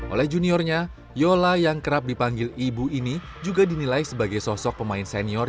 oleh juniornya yola yang kerap dipanggil ibu ini juga dinilai sebagai sosok pemain senior